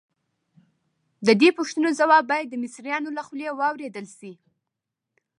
د دې پوښتنو ځواب باید د مصریانو له خولې واورېدل شي.